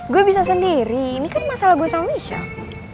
gue bisa sendiri ini kan masalah gue sama chef